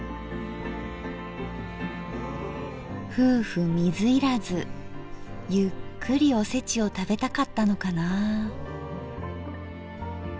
夫婦水入らずゆっくりおせちを食べたかったのかな。